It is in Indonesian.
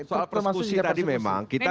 soal prosesnya tadi memang kita